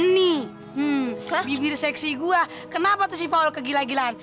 nih bibir seksi gue kenapa tuh si paul kegila gilaan